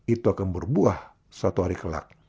itu akan berbuah satu hari kelak